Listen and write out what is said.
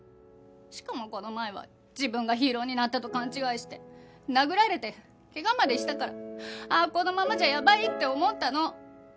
しかもこの前は自分がヒーローになったと勘違いして殴られて怪我までしたからあこのままじゃやばいって思ったの。